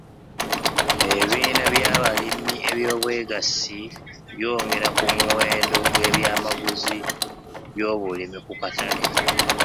Ebibiina by'abalimi eby'obwegassi byongera ku muwendo gw'eby'amaguzi by'obulimi ku katale.